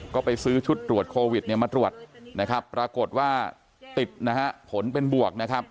ก็ไปซื้อชุดตรวจโควิดเนี่ยมาตรวจนะครับปรากฏว่าติดนะฮะผลเป็นบวกนะครับ